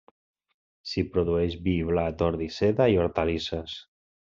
S'hi produeix vi, blat, ordi, seda i hortalisses.